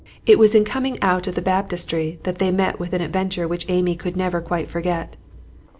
It was in coming out of the Baptistery that they met with an adventure which Amy could never quite forget.